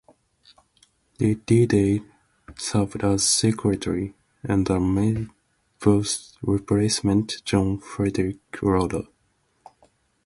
Rededale served as secretary under Myburgh's replacement, John Frederik Lowder.